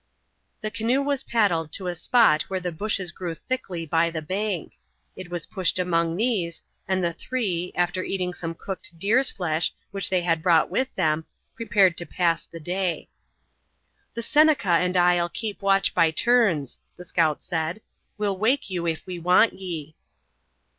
The canoe was paddled to a spot where the bushes grew thickly by the bank. It was pushed among these, and the three, after eating some cooked deer's flesh which they had brought with them, prepared to pass the day. "The Seneca and I'll keep watch by turns," the scout said. "We'll wake you if we want ye."